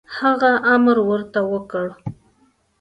هغه امر ورته وکړ.